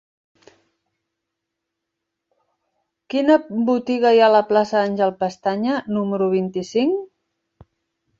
Quina botiga hi ha a la plaça d'Àngel Pestaña número vint-i-cinc?